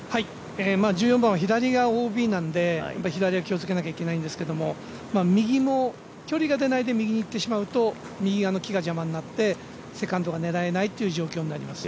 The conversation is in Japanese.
１４番は左がＯＢなんで、左は気をつけないといけないんですが右も距離が出てないで右に行ってしまうと、右側の木が邪魔になってセカンドが狙えない状況になります。